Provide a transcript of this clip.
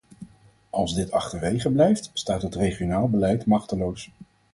Als dit achterwege blijft, staat het regionaal beleid machteloos.